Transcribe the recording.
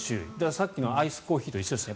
さっきのアイスコーヒーと一緒ですね。